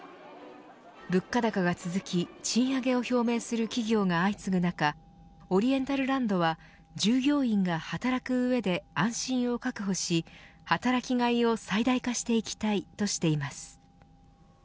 物価高が続き賃上げを表明する企業が相次ぐ中オリエンタルランドは従業員が働く上で安心を確保し働きがいを最大化していきたいとしています。